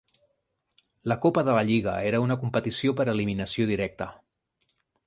La copa de la lliga era una competició per eliminació directa.